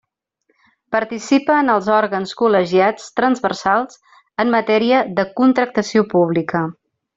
Participa en els òrgans col·legiats transversals en matèria de contractació pública.